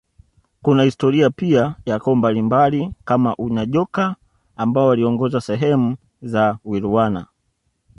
Kuna historia pia ya koo mbalimbali kama Unyanjoka ambao waliongoza sehemu za Wilwana